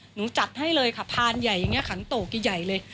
หนูจัดให้เลยค่ะพานใหญ่อย่างเนี้ยขังโต๊ะกี่ใหญ่เลย